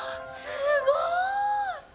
すごい。